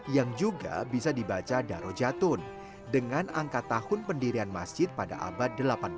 yang juga bisa dibaca daro jatun dengan angka tahun pendirian masjid pada abad delapan belas